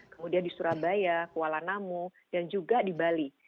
kemudian di surabaya kuala namu dan juga di bali